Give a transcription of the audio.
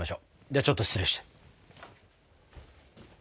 ではちょっと失礼して。